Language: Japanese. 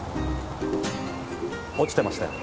落ちてましたよ